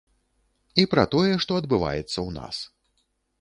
І пра тое, што адбываецца ў нас.